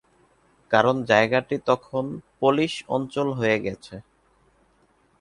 কারণ জায়গাটি তখন পোলিশ অঞ্চল হয়ে গেছে।